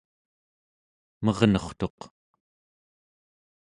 mernurtuq